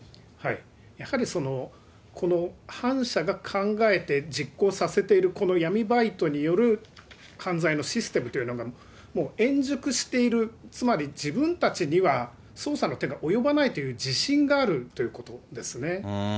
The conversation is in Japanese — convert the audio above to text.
やはりそのこの反社が考えて実行させているこの闇バイトによる犯罪のシステムというのが、もう円熟している、つまり、自分たちには捜査の手が及ばないという自信があるということですね。